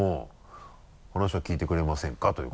「話を聞いてくれませんか？」ということで。